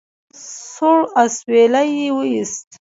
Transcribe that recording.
سوړ اسويلی يې ويست.